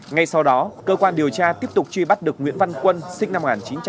ngay sau đó cơ quan điều tra tiếp tục truy bắt được nguyễn văn quân sinh năm một nghìn chín trăm tám mươi